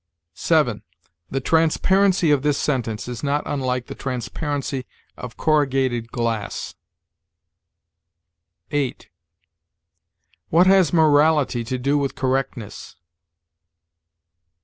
7. The transparency of this sentence is not unlike the transparency of corrugated glass. 8. What has morality to do with correctness?